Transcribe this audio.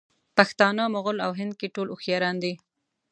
پښتانه، مغل او هندکي ټول هوښیار دي.